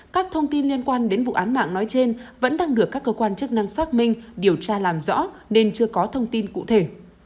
các thông tin liên quan đến vụ án mạng nói trên vẫn đang được các cơ quan chức năng xác minh điều tra làm rõ nên chưa có thông tin cụ thể